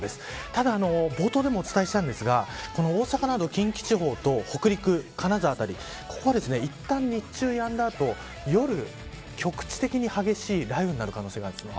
ただ冒頭でもお伝えしたんですが大阪など近畿地方と北陸、金沢辺りここは、いったん日中やんだ後夜、局地的に激しい雷雨になる可能性があります。